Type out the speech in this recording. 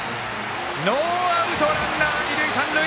ノーアウト、ランナー、二塁三塁。